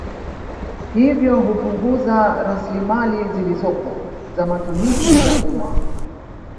Hivyo hupunguza raslimali zilizopo za matumizi ya umma